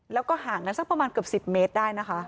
แล้วก็ห่างกันสักประมาณเกือบ๑๐เมตรได้นะคะ